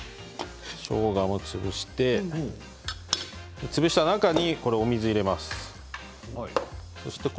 しょうがも潰して潰した中に、お水を入れます。